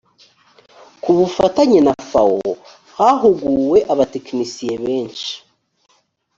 ku bufatanye na fawo hahuguwe abatekinisiye benshi.